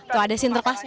tuh ada sinterpas